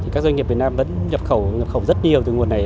các doanh nghiệp việt nam vẫn nhập khẩu rất nhiều từ nguồn này